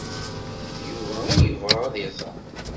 D Yuba ay yebɣa ad iẓer.